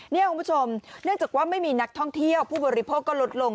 นี่คุณผู้ชมเนื่องจากว่าไม่มีนักท่องเที่ยวผู้บริโภคก็ลดลง